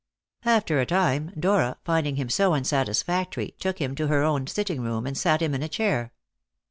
After a time Dora, finding him so unsatisfactory, took him to her own sitting room, and sat him in a chair.